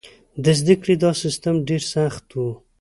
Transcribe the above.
د زده کړې دا سیستم ډېر سخت و.